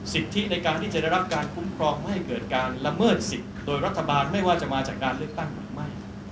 สิทธิในการที่จะได้รับการคุ้มครองไม่ให้เกิดการละเมิดสิทธิ์โดยรัฐบาลไม่ว่าจะมาจากการเลือกตั้งหรือไม่